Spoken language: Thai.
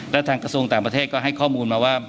และทางกระทรวงต่างประเทศก็ให้ข้อมูลมาว่า